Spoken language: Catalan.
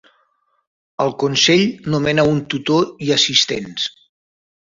El Consell nomena un tutor i assistents.